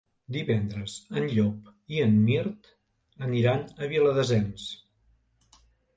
Divendres en Llop i en Mirt aniran a Viladasens.